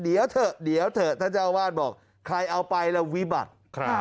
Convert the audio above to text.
เดี๋ยวเถอะเดี๋ยวเถอะท่านเจ้าวาดบอกใครเอาไปแล้ววิบัติ